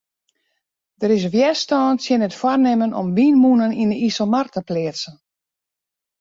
Der is wjerstân tsjin it foarnimmen om wynmûnen yn de Iselmar te pleatsen.